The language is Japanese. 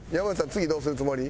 次どうするつもり？